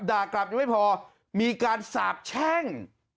ด่ากลับยังไม่พอมีการสาบแช่ง